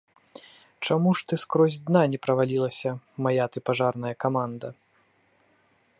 Чаму ж ты скрозь дна не правалілася, мая ты пажарная каманда!